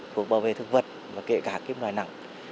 phục bảo vệ thực vật và kể cả loại nặng